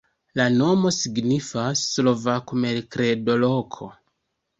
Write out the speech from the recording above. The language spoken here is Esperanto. La nomo signifas: slovako-merkredo-loko.